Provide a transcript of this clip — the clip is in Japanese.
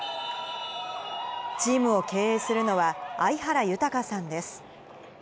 チームを経営するのは、相原豊さんです。